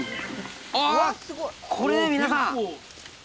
あこれ皆さん